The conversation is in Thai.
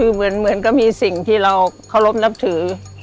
เหมือนก็มีสิ่งที่เราขอรบนับถือ